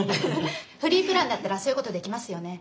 フリープランだったらそういうことできますよね？